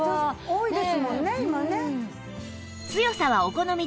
多いですもんね今ね。